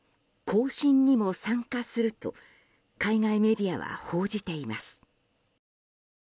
行進にも参加すると海外メディアは報じています。